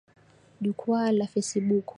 Jukwaa la fesibuku.